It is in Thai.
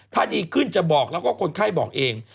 ถ้าดีขึ้นจะบอกแล้วก็คนไข้บอกเอง